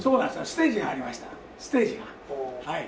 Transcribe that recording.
ステージがはい。